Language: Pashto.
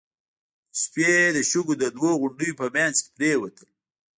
د شپې د شګو د دوو غونډيو په مينځ کې پرېوتل.